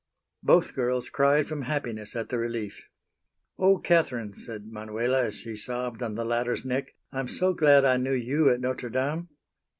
Both girls cried from happiness at the relief. "Oh! Catherine," said Manuela as she sobbed on the latter's neck, "I'm so glad I knew you at Notre Dame!"